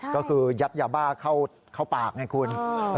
ก็คือยัดยาบ้าเข้าปากไงคุณ